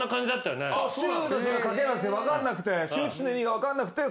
分かんなくて。